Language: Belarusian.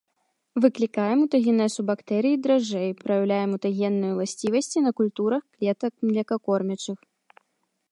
Выклікае мутагенез ў бактэрый і дражджэй, праяўляе мутагенныя ўласцівасці на культурах клетак млекакормячых.